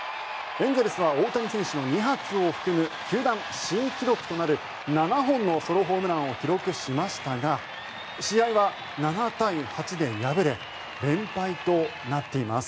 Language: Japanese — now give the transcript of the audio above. エンゼルスは大谷選手の２発を含む球団新記録となる７本のソロホームランを記録しましたが試合は７対８で敗れ連敗となっています。